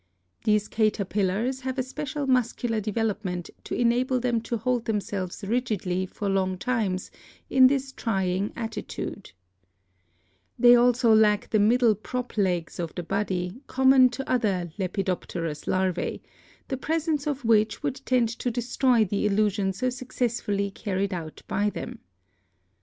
These caterpillars have a special muscular development to enable them to hold themselves rigidly for long times in this trying atti Fig. 44 — Protective Resemblance. A 'leaf insect. A 'walking stick' insect. tude. They also lack the middle prop legs of the body common to other lepidopterous larvae, the presence of which would tend to destroy the illusion so successfully carried out by them.